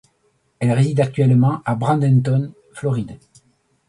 Elle réside actuellement à Bradenton, Floride.